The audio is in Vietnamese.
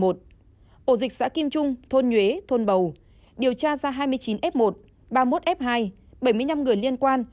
ổ dịch xã kim trung thôn nhuế thôn bầu điều tra ra hai mươi chín f một ba mươi một f hai bảy mươi năm người liên quan